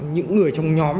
những người trong nhóm